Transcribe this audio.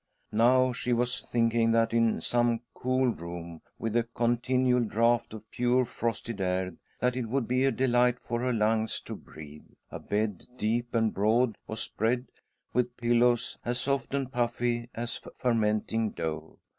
Now she was thinking that, in some cool room —■ with a continual draught of pure frosted air that it would be a delight for her lungs to breathe — a bed, deep and broad, was spread, with pillows as soft and puffy as fermenting dough.